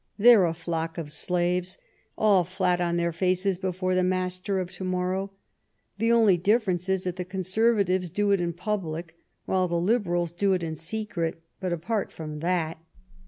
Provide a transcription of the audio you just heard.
They're a flock of slaves, all flat on their faces before the master of to morrow. The only difference is that the Conservatives do it in public, while the Liberals do it in secret. But apart from that